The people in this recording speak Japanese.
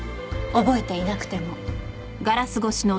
覚えていなくても。